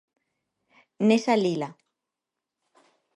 Nesa lila.